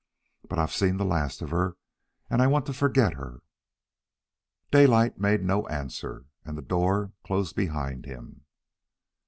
But I've seen the last of her, and I want to forget her." Daylight made no answer, and the door closed behind him.